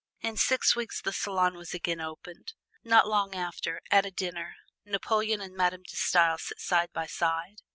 In six weeks the salon was again opened. Not long after, at a dinner, Napoleon and Madame De Stael sat side by side.